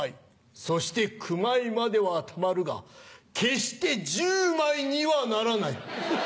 そして９枚まではたまるが決して１０枚にはならない。